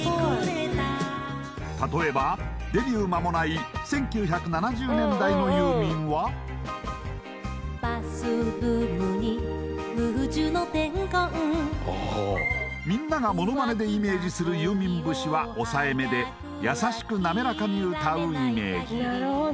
例えばデビュー間もない１９７０年代のユーミンはバスルームにルージュの伝言みんながモノマネでイメージするユーミン節は抑えめで優しく滑らかに歌うイメージ